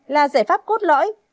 là giải pháp cốt lõi